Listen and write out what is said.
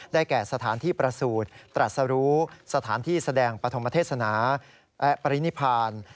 ได้แก่สถานที่ประสูจน์ตราสรุสถานที่แสดงประธมเทศนาปริณิพรรณ